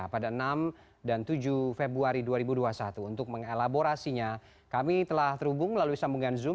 pada enam dan tujuh februari dua ribu dua puluh satu untuk mengelaborasinya kami telah terhubung melalui sambungan zoom